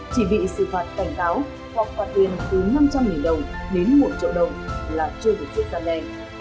chỉ bị sự phạt cảnh cáo hoặc qua tiền từ năm trăm linh đồng đến một triệu đồng là chưa được xếp ra đề